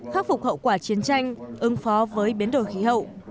khắc phục hậu quả chiến tranh ứng phó với biến đổi khí hậu